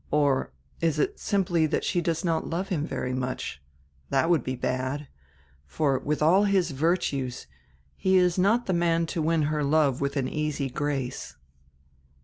Or is it simply that she does not love him very much? That would be bad. For with all his virtues he is not die man to win her love with an easy grace."